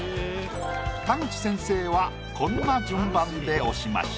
田口先生はこんな順番で押しました。